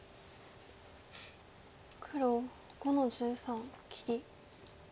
黒５の十三切り。